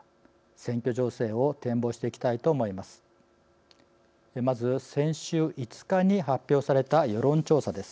選挙情勢を展望していきたいと思います。